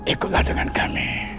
ikutlah dengan kami